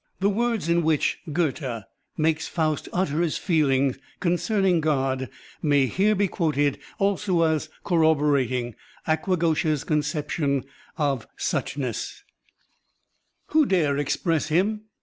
The words in which Goethe makes Faust utter his feeling concerning Gkxi may here be quoted also as corroborating Agvaghosha's conception of Suchness : "Who dare express Him?